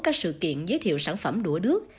các sự kiện giới thiệu sản phẩm đũa đứa